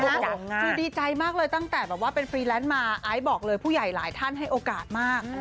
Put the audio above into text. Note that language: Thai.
คือดีใจมากเลยตั้งแต่แบบว่าเป็นฟรีแลนซ์มาไอซ์บอกเลยผู้ใหญ่หลายท่านให้โอกาสมาก